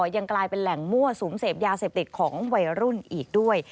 ยังกลายเป็นแหล่งมั่วสุมเสพยาเสพติดของวัยรุ่นอีกด้วย